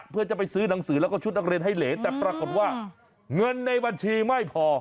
เพื่อจะไปซื้อหนังสือแล้วก็ชุดนักเรียนให้เหรแต่ปรากฏว่าเงินในบัญชีไม่พอ